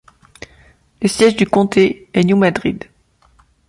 Le siège du comté est New Madrid.